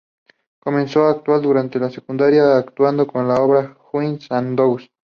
Comenzó a actuar durante la secundaria, actuando en la obra "Guys and Dolls".